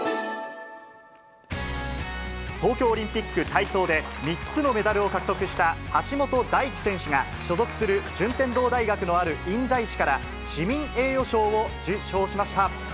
東京オリンピック体操で３つのメダルを獲得した橋本大輝選手が所属する順天堂大学のある印西市から市民栄誉賞を受賞しました。